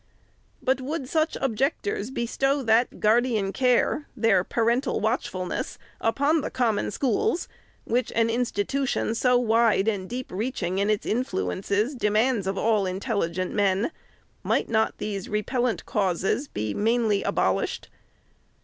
But would such objectors bestow that guardian care, that parental watch fulness, upon the Common Schools, which an institution, so wide and deep reaching in its influences, demands of FIRST ANNUAL REPORT. 417 all intelligent men. might not these repellent causes be mainly abolished